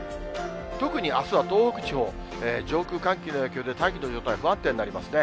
特にあすは東北地方、上空、寒気の影響で大気の状態、不安定になりますね。